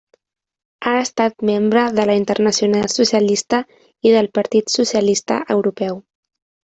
Ha estat membre de la Internacional Socialista i del Partit Socialista Europeu.